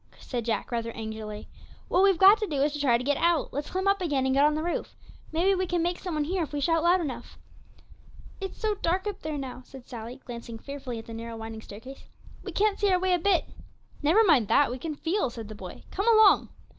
said Jack, rather angrily; 'what we've got to do is to try to get out. Let's climb up again, and get out on the roof; maybe we can make some one hear if we shout loud enough.' 'It's so dark up there now,' said Sally, glancing fearfully at the narrow, winding staircase; 'we can't see our way a bit.' 'Never mind that, we can feel,' said the boy; 'come along.'